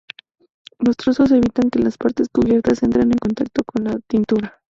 Los trozos evitan que las partes cubiertas entren en contacto con la tintura.